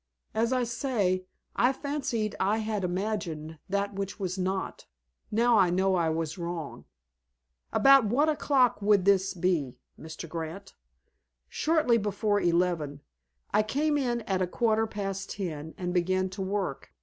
As I say, I fancied I had imagined that which was not. Now I know I was wrong." "About what o'clock would this be, Mr. Grant?" "Shortly before eleven. I came in at a quarter past ten, and began to work.